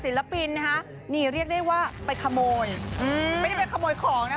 ศิลปินนะคะนี่เรียกได้ว่าไปขโมยไม่ได้ไปขโมยของนะคะ